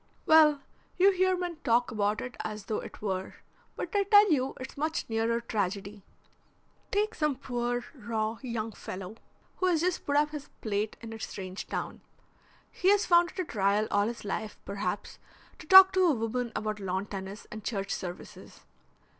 "Well, you hear men talk about it as though it were, but I tell you it's much nearer tragedy. Take some poor, raw, young fellow who has just put up his plate in a strange town. He has found it a trial all his life, perhaps, to talk to a woman about lawn tennis and church services.